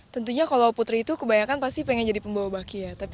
tentunya kalau putri itu kebanyakan pasti pengen jadi pembawa baki ya